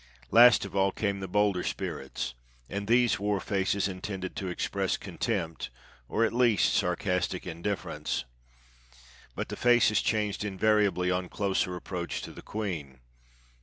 Last of all came the bolder spirits, and these wore faces intended to express contempt, or at least sarcastic indifference; but the faces changed invariably on closer approach to the queen.